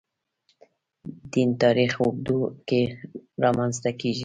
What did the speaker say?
دین تاریخ اوږدو کې رامنځته کېږي.